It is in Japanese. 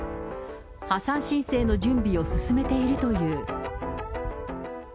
破産申請の準備を進めているという。